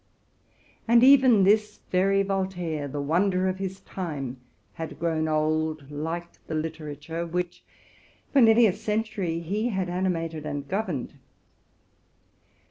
And even this. very Voltaire, the wonder of his time, had evown old, like the literature which for nearly a century he had animated and governed.